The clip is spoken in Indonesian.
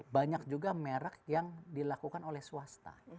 banyak juga merek yang dilakukan oleh swasta